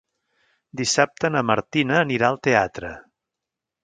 Dissabte na Martina anirà al teatre.